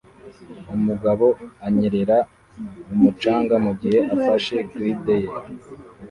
Umugabo anyerera mu mucanga mugihe afashe glider ye